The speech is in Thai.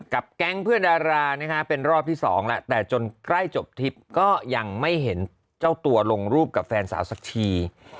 แก๊งเพื่อนดารานะฮะเป็นรอบที่สองแล้วแต่จนใกล้จบทริปก็ยังไม่เห็นเจ้าตัวลงรูปกับแฟนสาวสักที